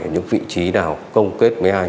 những vị trí nào công kết với ai